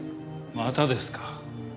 またですか。